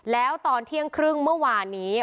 แล้วตอนเที่ยงครึ่งเมื่อวานนี้